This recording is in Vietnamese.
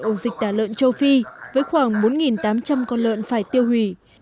ổ dịch tả lợn châu phi với khoảng bốn tám trăm linh con lợn phải tiêu hủy